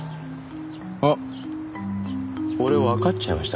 あっ俺わかっちゃいました。